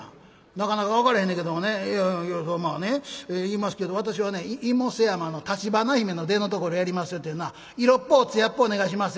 なかなか分からへんねんけどもねいやまあね言いますけど私はね『妹背山』の橘姫の出のところやりますよってにな色っぽう艶っぽうお願いしまっせ」。